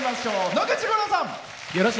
野口五郎さん